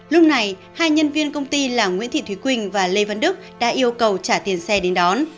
lúc này hai nhân viên công ty là nguyễn thị thúy quỳnh và lê văn đức đã yêu cầu trả tiền xe đến đón